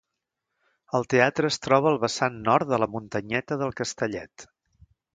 El teatre es troba al vessant nord de la muntanyeta del Castellet.